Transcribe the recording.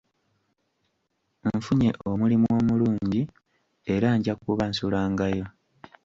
Nfunye omulimu omulungi era nja kuba nsulangayo.